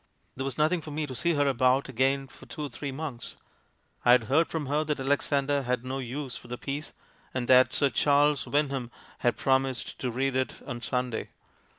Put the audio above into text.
"There was nothing for me to see her about again for two or three months. I had heard from her that Alexander had no use for the piece, and that 'Sir Charles Wyndham had promised to read it on Sunday.'